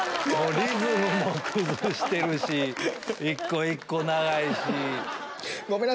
リズムも崩してるし一個一個長いし。